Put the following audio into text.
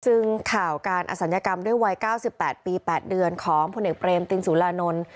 ซึ่งข่าวการอสัญกรรมด้วยวัยเก้าสิบแปดปีแปดเดือนของพลเนกเปรมตินสุรานนทร์